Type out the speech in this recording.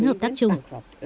hợp tác chung